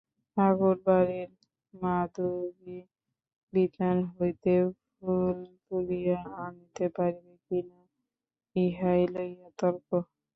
ঠাকুরবাড়ির মাধবীবিতান হইতে ফুল তুলিয়া আনিতে পারিবে কি না, ইহাই লইয়া তর্ক।